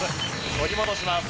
取り戻します。